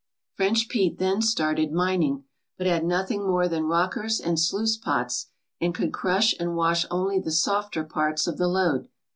French Pete then started mining, but had nothing more than rockers and sluice pots and could crush and wash only the softer parts of the lode.